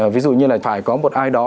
ví dụ như là phải có một ai đó